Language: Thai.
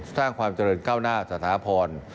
สร้างความเจริญก้าวหน้าสถาพร